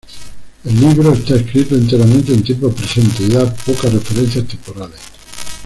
El libro está escrito enteramente en tiempo presente, y da pocas referencias temporales.